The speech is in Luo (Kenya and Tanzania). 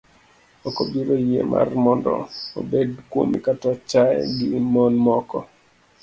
Ok obiro yie mar mondo obed kuome kata chaye gi mon moko.